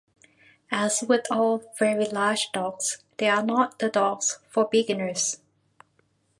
As with all very large dogs, they are not the dogs for beginners.